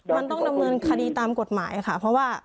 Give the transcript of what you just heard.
มันต้องดำเนินคดีตามกฎหมายค่ะเพราะว่า